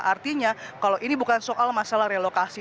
artinya kalau ini bukan soal masalah relokasi